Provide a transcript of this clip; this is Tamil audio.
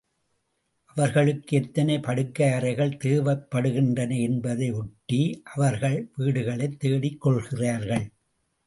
அவர்களுக்கு எத்தனை படுக்கை அறைகள் தேவைப்படுகின்றன என்பதை ஒட்டி அவர்கள் வீடுகளைத் தேடிக் கொள்கிறார்கள்.